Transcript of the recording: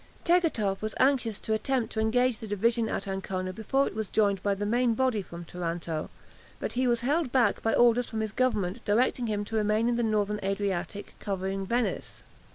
Tegethoff was anxious to attempt to engage the division at Ancona before it was joined by the main body from Taranto, but he was held back by orders from his Government directing him to remain in the Northern Adriatic covering Venice.